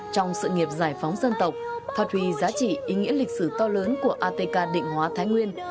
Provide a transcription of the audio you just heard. trong sự nghiệp giải phóng dân tộc phát huy giá trị ý nghĩa lịch sử to lớn của atk định hóa thái nguyên